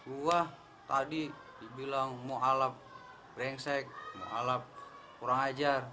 wah tadi dibilang muhalaf brengsek muhalaf kurang ajar